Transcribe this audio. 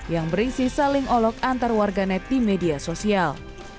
yang berisi saling olok antar warganet di media sosial